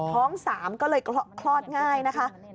ท้อง๓ก็เลยคลอดง่ายนะคะ